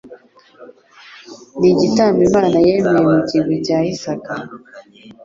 n'igitambo Imana yemeye mu kigwi cya Isaka,